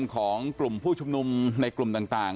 ของกลุ่มผู้ชุมนุมในกลุ่มต่าง